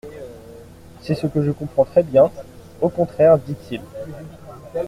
C'est ce que je comprends très bien, au contraire, dit-il.